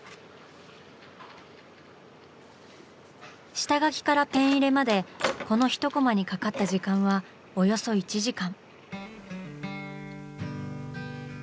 下描きからペン入れまでこの１コマにかかった時間はおよそ１時間。